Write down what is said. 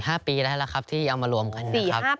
ก็ประมาณ๔๕ปีแล้วครับที่เอามารวมกันนะครับ